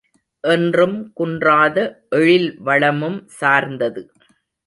என்றும் குன்றாத எழில்வளமும் சார்ந்தது.